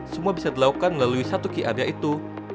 semua bisa dilakukan melalui satu qr yaitu